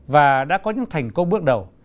và đã có những thành công bước đầu